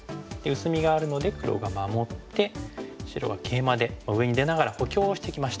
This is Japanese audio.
薄みがあるので黒が守って白がケイマで上に出ながら補強をしてきました。